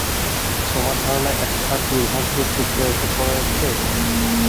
তোমার ধারণা একটা দুর্ভাগ্যের টুকরো এসব করেছে?